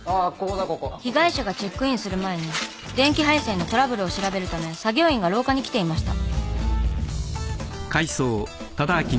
被害者がチェックインする前に電気配線のトラブルを調べるため作業員が廊下に来ていました。